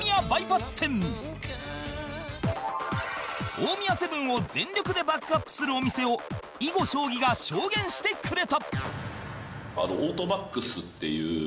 大宮セブンを全力でバックアップするお店を囲碁将棋が証言してくれた